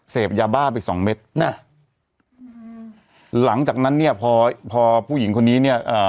เสพยาบ้าไปสองเม็ดน่ะอืมหลังจากนั้นเนี่ยพอพอผู้หญิงคนนี้เนี่ยเอ่อ